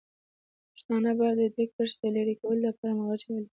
پښتانه باید د دې کرښې د لرې کولو لپاره همغږي ولري.